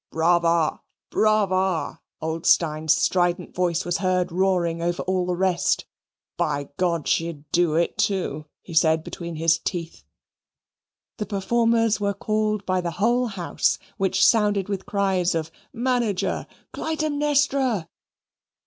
"Brava! brava!" old Steyne's strident voice was heard roaring over all the rest. "By , she'd do it too," he said between his teeth. The performers were called by the whole house, which sounded with cries of "Manager! Clytemnestra!"